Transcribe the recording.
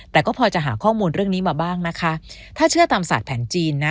แต่ก็พอจะหาข้อมูลเรื่องนี้มาบ้างนะคะถ้าเชื่อตามศาสตร์แผนจีนนะ